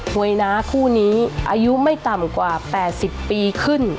ยน้าคู่นี้อายุไม่ต่ำกว่า๘๐ปีขึ้น